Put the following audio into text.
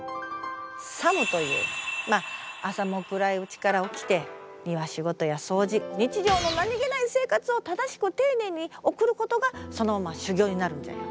作務というまあ朝も暗いうちから起きて庭仕事や掃除日常の何気ない生活を正しく丁寧に送ることがそのまま修行になるんじゃよ。